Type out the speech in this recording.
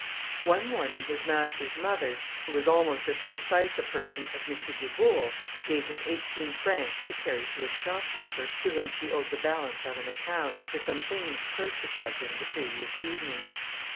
One morning his master's mother, who was almost as precise a person as M. Dubourg, gave him eighteen francs to carry to a shopkeeper, to whom she owed the balance of an account, for some things purchased of him the previous evening.